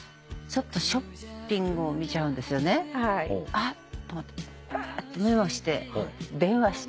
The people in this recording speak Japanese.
あっと思ってばーってメモして電話して。